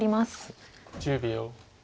１０秒。